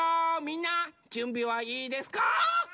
みんなじゅんびはいいですか？